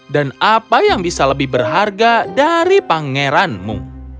dan apa yang bisa lebih berharga dari panggilanmu